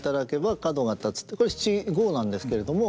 これ七五なんですけれども。